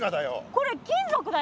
これ金属だよ。